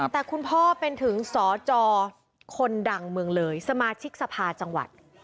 แต่คุณพ่อเป็นถึงสจคนดังเมืองเลยสมาชิกสภาจังหวัด